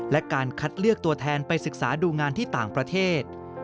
และการคัดเลือกตัวแทนไปศึกษาดูงานที่ต่างประเทศ